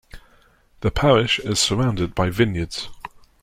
The parish is surrounded by vineyards.